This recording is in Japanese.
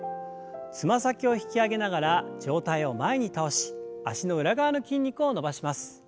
つま先を引き上げながら上体を前に倒し脚の裏側の筋肉を伸ばします。